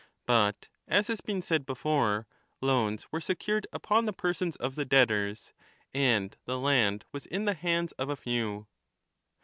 But, as has been said before, loans were secured upon the persons of the debtors, 1 and the land was in the hands of a few.